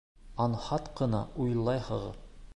Анһат ҡына уйлайһығыҙ!